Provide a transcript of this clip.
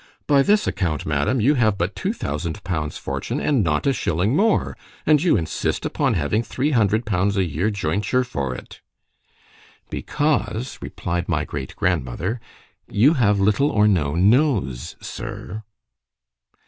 ——By this account, madam, you have but two thousand pounds fortune, and not a shilling more—and you insist upon having three hundred pounds a year jointure for it.— —"Because," replied my great grandmother, "you have little or no nose, Sir."